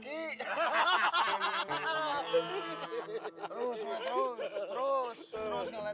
terus neteh terus